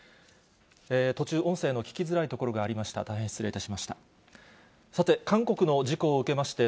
途中、音声の聞きづらいところがありました、大変失礼いたしました。